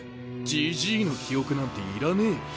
ジジイの記憶なんていらねえよ。